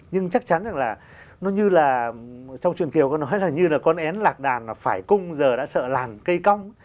nhưng chắc chắn là nó như là trong truyền thiệu con nói là như là con én lạc đàn phải cung giờ đã sợ làm cây cong